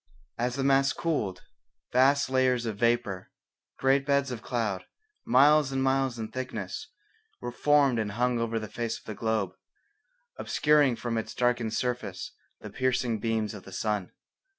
As the mass cooled, vast layers of vapour, great beds of cloud, miles and miles in thickness, were formed and hung over the face of the globe, obscuring from its darkened surface the piercing beams of the sun.